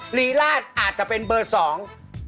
รีราชอาจจะเป็นเบอร์สอง